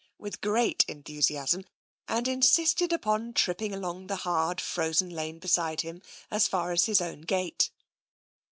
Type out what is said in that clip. " with great enthusiasm, and insisted upon tripping along the hard, frozen lane beside him as far as his own gate.